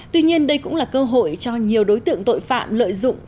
tuy nhiên đây cũng là cơ hội cho nhiều đối tượng tội phạm lợi dụng